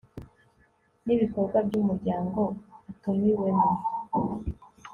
n ibikorwa by umuryango atumiwemo